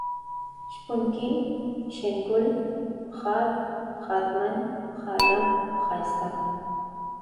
شپونکی ، شين گل ، ښاد ، ښادمن ، ښالم ، ښايسته